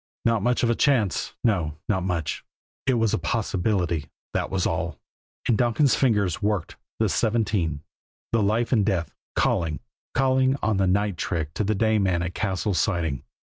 Not much of a chance? No not much! It was a possibility, that was all; and Donkin's fingers worked the seventeen, the life and death calling, calling on the night trick to the day man at Cassil's Siding.